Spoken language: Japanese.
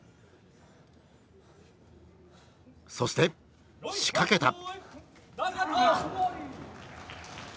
そして仕掛けた。